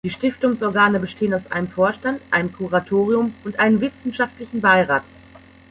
Die Stiftungsorgane bestehen aus einem Vorstand, einem Kuratorium und einem Wissenschaftlichen Beirat.